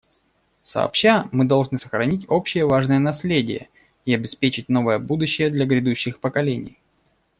Сообща мы должны сохранить общее важное наследие и обеспечить новое будущее для грядущих поколений.